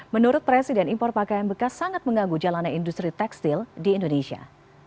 menurut presiden impor pakaian bekas sangat mengganggu jalannya industri tekstil di indonesia